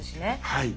はい。